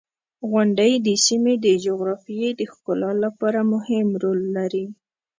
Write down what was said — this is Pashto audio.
• غونډۍ د سیمې د جغرافیې د ښکلا لپاره مهم رول لري.